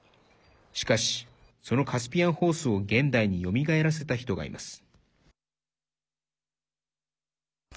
しかし、そのカスピアンホースを現代によみがえらせた人がいます。